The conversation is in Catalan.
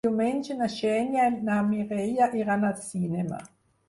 Diumenge na Xènia i na Mireia iran al cinema.